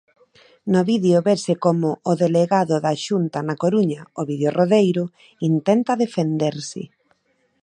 No vídeo vese como o delegado da Xunta na Coruña, Ovidio Rodeiro, intenta defenderse.